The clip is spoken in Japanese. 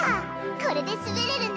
これで滑れるね。